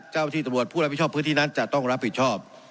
เจ้าที่ตำรวจผู้รับผิดชอบพื้นที่นั้นจะต้องรับผิดชอบ